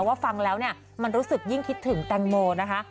ฟังแล้วเนี่ยมันรู้สึกยิ่งคิดถึงแตงโมนะคะ